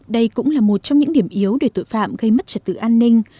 đây cũng là một trong những điểm yếu để tội phạm gây mất trật tự an ninh